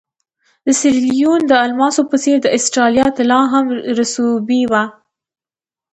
د سیریلیون د الماسو په څېر د اسټرالیا طلا هم رسوبي وه.